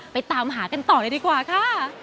ไปตามหากันต่อดีกว่าค่ะ